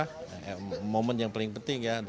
itu adalah momen yang paling penting